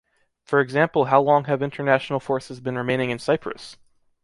For example how long have international forces been remaining in Cyprus?